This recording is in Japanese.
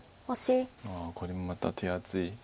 ああこれもまた手厚い。